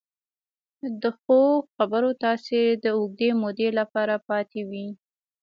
د ښو خبرو تاثیر د اوږدې مودې لپاره پاتې وي.